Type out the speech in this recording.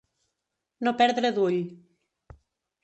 No perdre d'ull.